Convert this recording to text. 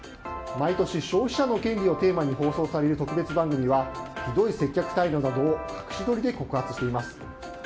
毎年、消費者の権利をテーマに放送される特別番組はひどい接客態度などを隠し撮りで告発しています。